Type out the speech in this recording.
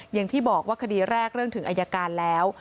อย่างที่บอกว่าคดีแรกเรื่องถึงอายการแล้ว